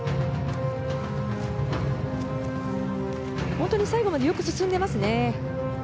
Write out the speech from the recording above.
本当に最後までよく進んでいますね。